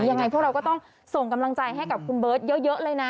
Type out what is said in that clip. ยังไงพวกเราก็ต้องส่งกำลังใจให้กับคุณเบิร์ตเยอะเลยนะ